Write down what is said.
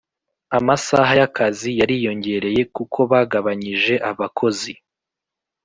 Amasaha y’akazi yariyongereye kuko bagabanyije abakozi